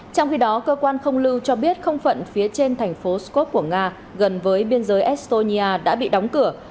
trong khi đó cơ quan không lưu cho biết không phận phía trên thành phố skov của nga gần với biên giới estonia đã bị đóng cửa